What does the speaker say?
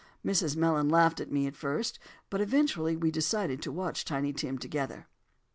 Mrs. Mellon laughed at me at first, but eventually we decided to watch Tiny Tim together.